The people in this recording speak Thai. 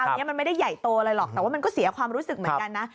อันนี้มันไม่ได้ใหญ่โตอะไรหรอกแต่ว่ามันก็เสียความรู้สึกเหมือนกันนะ